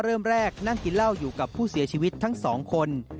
เริ่มแรกนั่งกินเหล้าอยู่กับผู้เสียชีวิตทั้งสองคน